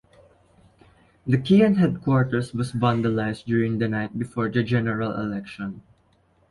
The Kean headquarters was vandalized during the night before the general election.